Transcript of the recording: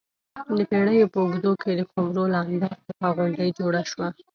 د پېړیو په اوږدو کې د خُمرو له انبار څخه غونډۍ جوړه شوه